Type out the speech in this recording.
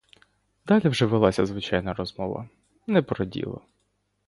Далі вже велася звичайна розмова, не про діло.